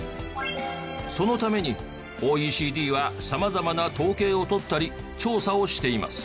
そのためにＯＥＣＤは様々な統計をとったり調査をしています。